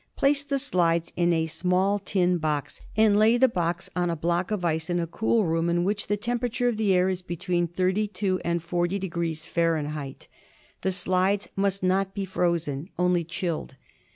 Place the slides in a small tin box and lay the box on a block of ice in a cool room in which the temperature of the air is between 32° and 40° Fahr. The slides must not be frozen, only chilled.